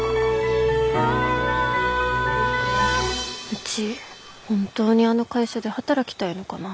うち本当にあの会社で働きたいのかな。